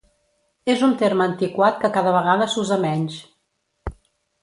És un terme antiquat que cada vegada s'usa menys.